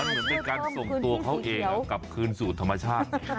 เหมือนเป็นการส่งตัวเขาเองกลับคืนสู่ธรรมชาติ